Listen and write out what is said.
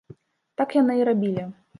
Так яны і рабілі.